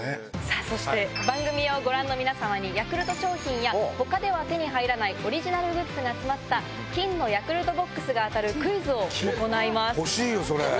そして番組をご覧の皆様に、ヤクルト商品や、ほかでは手に入らない、オリジナルグッズが詰まった金のヤクルトボックスが当たるクイズ欲しいよ、それ。